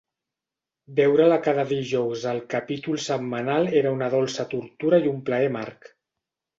Veure-la cada dijous al capítol setmanal era una dolça tortura i un plaer amarg.